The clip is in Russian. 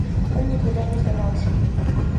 Он никогда не сдавался.